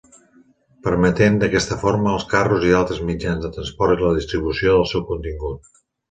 Permeten d'aquesta forma als carros i altres mitjans de transport la distribució del seu contingut.